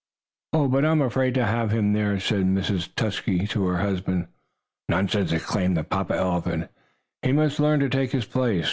"Oh, but I am afraid to have him there," said Mrs. Tusky to her husband. "Nonsense!" exclaimed the papa elephant. "He must learn to take his place.